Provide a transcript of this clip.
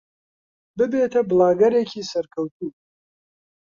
ببێتە بڵاگەرێکی سەرکەوتوو.